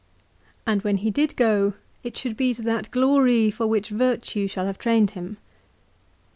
" And when he did go it should be to that glory for which virtue shall have trained him.